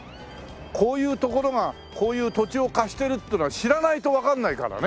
こういう所がこういう土地を貸してるってのは知らないとわかんないからね。